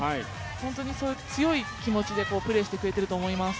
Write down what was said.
本当に強い気持ちでプレーしてくれていると思います。